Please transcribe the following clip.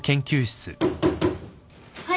・はい。